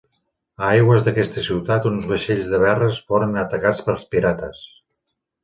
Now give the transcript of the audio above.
A aigües d'aquesta ciutat uns vaixells de Verres foren atacats pels pirates.